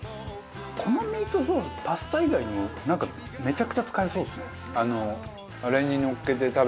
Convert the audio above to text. このミートソースパスタ以外にもなんかめちゃくちゃ使えそうですね。